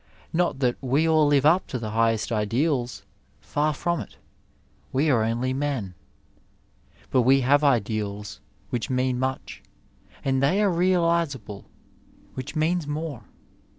Not that we all live up to the highest ideals, fax from i1^ — ^we are only men. But we have ideals, which mean much, and they are realizable, which means more.